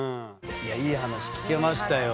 いい話聞けましたよ。